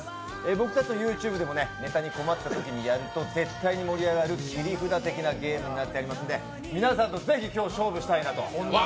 僕たちのＹｏｕＴｕｂｅでもネタに困ったときにやると絶対に盛り上がる切り札的なゲームになっていますので皆さんと是非、今日勝負したいなと。